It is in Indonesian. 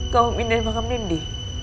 kau minat makan mendi